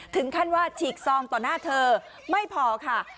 ถึงขั้นว่าฉีกซองต่อหน้าเธอไม่พอค่ะ